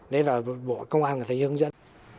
đấy là bộ công an có thể hướng dẫn